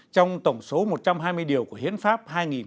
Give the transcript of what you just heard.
trong tổng số một trăm hai mươi điều của hiến pháp hai nghìn một mươi ba